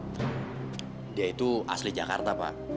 dia itu asli jakarta pak